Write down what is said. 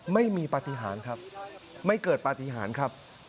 ไม่มีปฏิหารครับไม่เกิดปฏิหารครับ